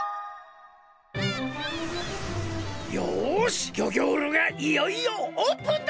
よしギョギョールがいよいよオープンだ！